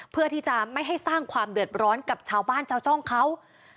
เพื่อที่จะไม่ให้สร้างความเดือดร้อนกับชาวบ้านชาวช่องเขา